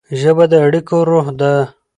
ژبه د اړیکو روح ده.